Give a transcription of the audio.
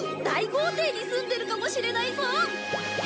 大豪邸に住んでるかもしれないぞ！